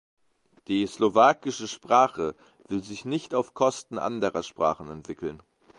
Die slowakische Sprache will sich nicht auf Kosten anderer Sprachen entwickeln.